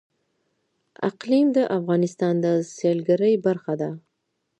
اقلیم د افغانستان د سیلګرۍ برخه ده.